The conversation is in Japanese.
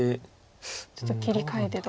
ちょっと切り替えてと。